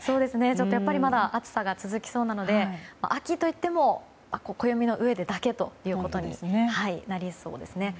やっぱりまだ暑さが続きそうなので秋といっても暦の上でだけということになりそうですね。